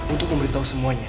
untuk memberitahu semuanya